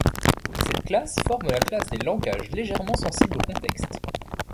Cette classe forme la classe des langages légèrement sensibles au contexte.